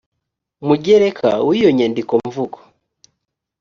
mugereka w iyo nyandikomvugo